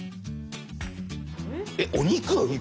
えっお肉？